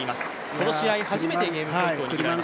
この試合初めてゲームポイントを握られました。